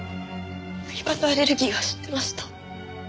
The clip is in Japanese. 饗庭のアレルギーは知ってました。